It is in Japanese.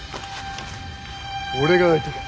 俺が相手だ。